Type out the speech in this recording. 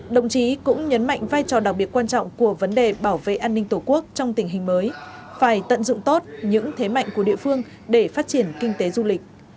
đồng chí cũng nhấn mạnh vai trò đặc biệt quan trọng của vấn đề bảo vệ an ninh tổ quốc trong tình hình mới phải tận dụng tốt những thế mạnh của địa phương để phát triển kinh tế du lịch